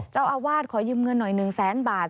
เจ้าอาวาสขอยืมเงินหน่อย๑แสนบาท